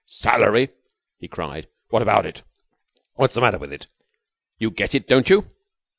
"Salary?" he cried. "What about it? What's the matter with it? You get it, don't you?"